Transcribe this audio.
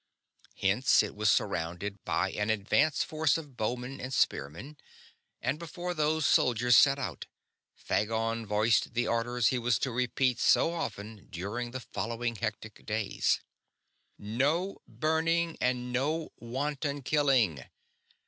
Hence it was surrounded by an advance force of bowmen and spearmen, and before those soldiers set out Phagon voiced the orders he was to repeat so often during the following hectic days. "NO BURNING AND NO WANTON KILLING!